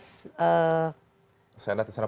senat di sana partai republik